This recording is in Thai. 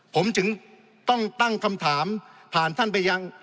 ผมถึงต้องตั้งคำถามผ่านท่านไปยัง